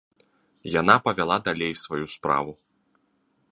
Яна павяла далей сваю справу.